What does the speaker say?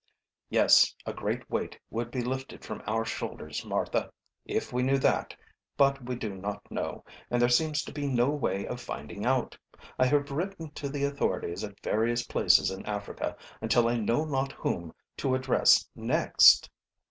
"Yes, a great weight would be lifted from our shoulders, Martha, if we knew that. But we do not know, and there seems to be no way of finding out. I have written to the authorities at various places in Africa until I know not whom to address next."